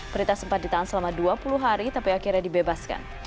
prita sempat ditahan selama dua puluh hari tapi akhirnya dibebaskan